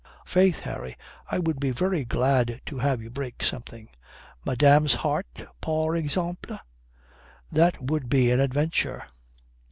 Faith, Harry, I would be very glad to have you break something." "Madame's heart, par exemple?" "That would be an adventure."